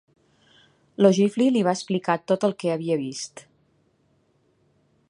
L'Ogivly li va explicar tot el que havia vist.